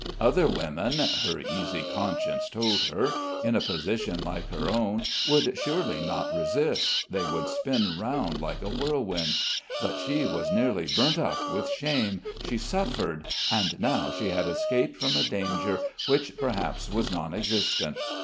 Other women, her easy conscience told her, in a position like her own would surely not resist, they would spin round like a whirlwind; but she was nearly burnt up with shame, she suffered and now she had escaped from a danger which perhaps was nonexistent!